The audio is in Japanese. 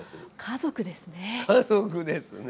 家族ですね！